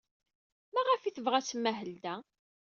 Maɣef ay tebɣa ad tmahel da?